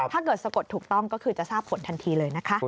สะกดถูกต้องก็คือจะทราบผลทันทีเลยนะคะ